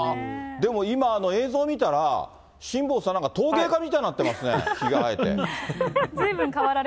でも今、映像見たら、辛坊さん、なんか陶芸家みたいになってますね、ひげ生えて。